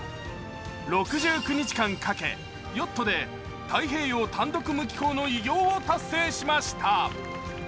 ６９日間かけ、ヨットで太平洋単独無寄港横断を達成しました。